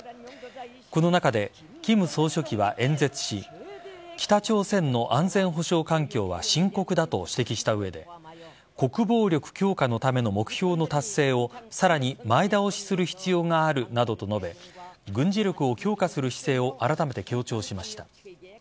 この中で金総書記は演説し北朝鮮の安全保障環境は深刻だと指摘した上で国防力強化のための目標の達成をさらに前倒しする必要があるなどと述べ軍事力を強化する姿勢をあらためて強調しました。